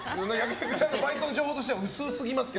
バイトの情報としては薄すぎますね。